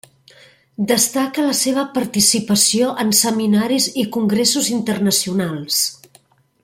Destaca la seva participació en seminaris i congressos internacionals.